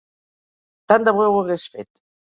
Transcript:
Tant de bo ho hagués fet.